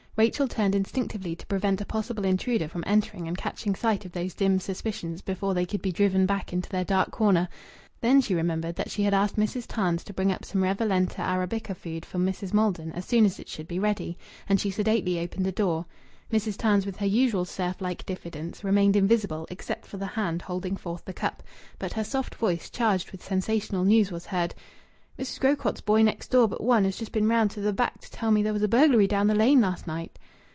Rachel turned instinctively to prevent a possible intruder from entering and catching sight of those dim suspicions before they could be driven back into their dark corners. Then she remembered that she had asked Mrs. Tams to bring up some Revalenta Arabica food for Mrs. Maldon as soon as it should be ready. And she sedately opened the door. Mrs. Tams, with her usual serf like diffidence, remained invisible, except for the hand holding forth the cup. But her soft voice, charged with sensational news, was heard "Mrs. Grocott's boy next door but one has just been round to th' back to tell me as there was a burglary down the Lane last night."